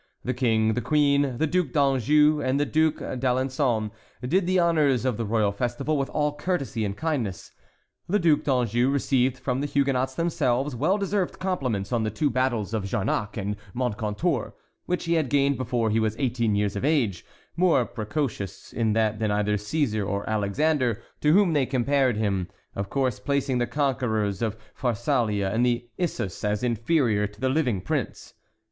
The King, the Queen, the Duc d'Anjou, and the Duc d'Alençon did the honors of the royal festival with all courtesy and kindness. The Duc d'Anjou received from the Huguenots themselves well deserved compliments on the two battles of Jarnac and Montcontour, which he had gained before he was eighteen years of age, more precocious in that than either Cæsar or Alexander, to whom they compared him, of course placing the conquerors of Pharsalia and the Issus as inferior to the living prince.